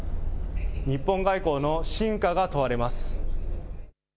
日本外交の真価が問われます。